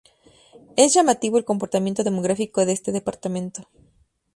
Es llamativo el comportamiento demográfico de este departamento.